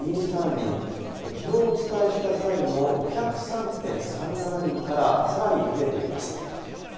きのうお伝えした際の５０３．３７人からさらに増えています。